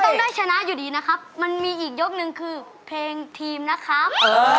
ได้ชนะอยู่ดีนะครับมันมีอีกยกหนึ่งคือเพลงทีมนะครับ